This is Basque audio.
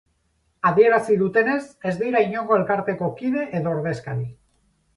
Adierazi dutenez, ez dira inongo elkarteko kide edo ordezkari.